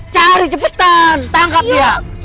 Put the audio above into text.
cari cepetan tangkap dia